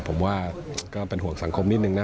ผมว่าก็เป็นห่วงสังคมนิดนึงนะ